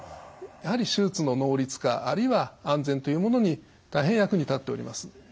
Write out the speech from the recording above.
やはり手術の能率化あるいは安全というものに大変役に立っております。